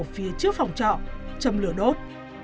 phía trước phòng trọ chầm lửa đốt